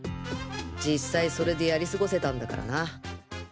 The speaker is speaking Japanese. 実際それでやり過ごせたんだからな。